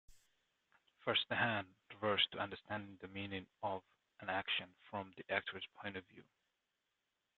"Verstehen" refers to understanding the meaning of action from the actor's point of view.